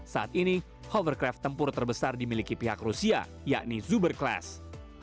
saat ini hovercraft tempur terbesar dimiliki pihak rusia yakni zuber class